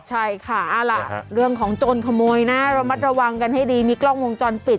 ใช่ค่ะเอาล่ะเรื่องของโจรขโมยนะระมัดระวังกันให้ดีมีกล้องวงจรปิด